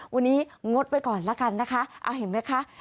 วันนี้งดไปก่อนนะคะเห็นไหมคะ